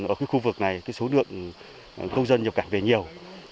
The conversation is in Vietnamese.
ở khu vực này số lượng công dân nhập cảnh về nhiều